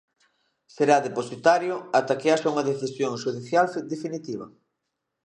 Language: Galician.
Será depositario ata que haxa unha decisión xudicial definitiva.